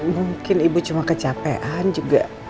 mungkin ibu cuma kecapean juga